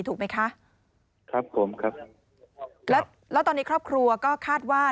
ถูกไหมคะครับผมครับแล้วแล้วตอนนี้ครอบครัวก็คาดว่า